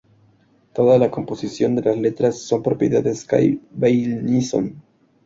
Toda la composición de las letras son propiedad de Skay Beilinson.